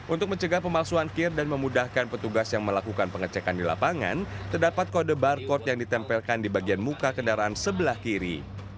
untuk mencegah pemalsuan kir dan memudahkan petugas yang melakukan pengecekan di lapangan terdapat kode barcode yang ditempelkan di bagian muka kendaraan sebelah kiri